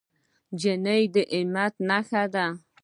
نجلۍ د همت نښه ده.